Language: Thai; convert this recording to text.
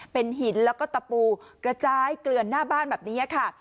เป็นหินแล้วก็ตะปูกระจายเกลือนหน้าบ้านแบบนี้ค่ะ